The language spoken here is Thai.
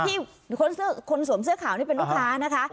ที่คนเสื้อคนสวมเสื้อขาวนี่เป็นลูกค้านะคะโอ้โห